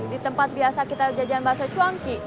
di tempat biasa kita jajan bahasa chuangki